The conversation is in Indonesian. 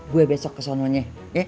gue besok ke sana ya